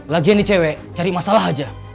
lagian nih cewek cari masalah aja